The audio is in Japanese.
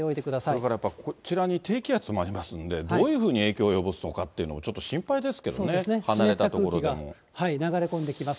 それからやっぱりこちらに低気圧もありますので、どういうふうに影響を及ぼすのかっていうのがちょっと心配ですけそうですね、湿った空気が流れ込んできます。